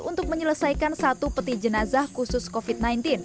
untuk menyelesaikan satu peti jenazah khusus covid sembilan belas